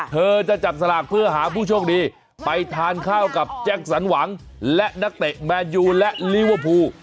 เธอจะจับสลากเพื่อหาผู้โชคดีไปทานข้าวกับแจ็คสันหวังและนักเตะแมนยูและลิเวอร์พูล